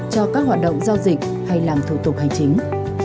cho các hoạt động giao dịch hay làm thủ tục hành chính